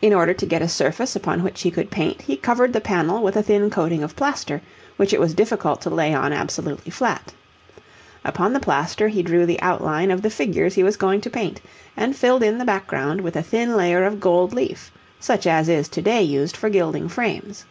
In order to get a surface upon which he could paint, he covered the panel with a thin coating of plaster which it was difficult to lay on absolutely flat. Upon the plaster he drew the outline of the figures he was going to paint, and filled in the background with a thin layer of gold leaf, such as is to day used for gilding frames.